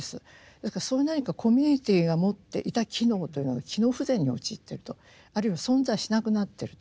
ですからそういう何かコミュニティーが持っていた機能というのが機能不全に陥ってるとあるいは存在しなくなってると。